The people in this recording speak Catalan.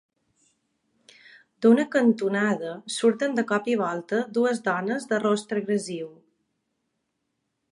D'una cantonada surten de cop i volta dues dones de rostre agressiu.